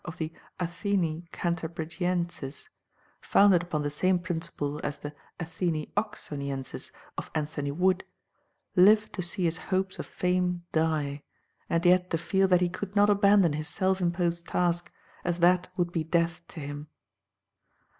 of the Athenae Cantabrigienses, founded upon the same principle as the Athenae Oxonienses of Anthony Wood, lived to see his hopes of fame die, and yet to feel that he could not abandon his self imposed task, as that would be death to him.